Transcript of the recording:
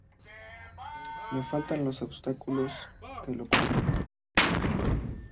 Le faltan los ortostatos que lo cubrían.